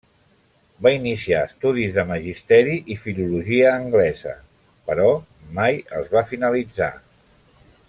Va iniciar estudis de Magisteri i Filologia Anglesa, però mai els va finalitzar.